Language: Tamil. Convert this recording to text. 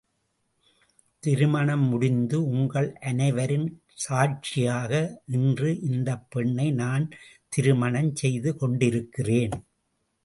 திருமணம் முடிந்து உங்கள் அனைவரின் சாட்சியாக இன்று இந்தப்பெண்ணை நான் திருமணம் செய்து கொண்டிருக்கிறேன்.